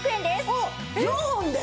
おっ４本で？